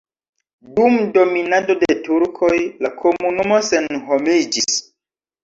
Dum dominado de turkoj la komunumo senhomiĝis.